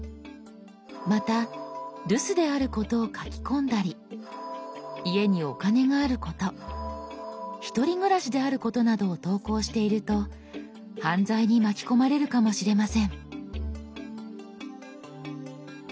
また留守であることを書き込んだり家にお金があること１人暮らしであることなどを投稿していると犯罪に巻き込まれるかもしれません。